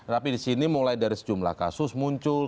tapi di sini mulai dari sejumlah kasus muncul